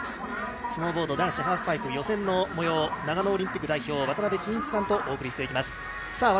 スノーボード男子ハーフパイプ予選の模様を長野オリンピック代表渡辺伸一さんとお届けしていきます。